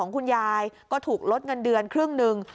คุณยายก็ถูกลดเงินเดือนครึ่งหนึ่ง